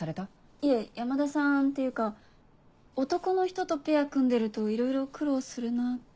いえ山田さんっていうか男の人とペア組んでるといろいろ苦労するなって。